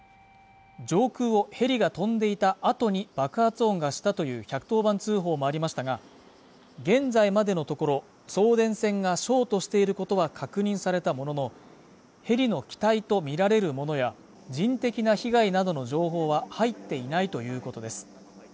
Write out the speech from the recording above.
上空をヘリが飛んでいたあとに爆発音がしたという１１０番通報もありましたが現在までのところ送電線がショートしていることは確認されたもののヘリの機体と見られるものや人的な被害などの情報は入っていないということです